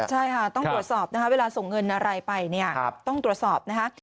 ใช่ค่ะต้องตรวจสอบเวลาส่งเงินอะไรไปต้องตรวจสอบ